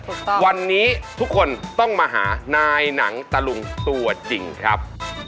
วันนี้ทุกคนต้องมาหานายหนังตะลุงตัวจริงครับ